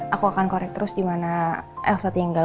aku akan korek terus dimana elsa tinggal